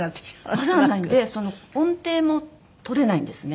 混ざらないんで音程もとれないんですね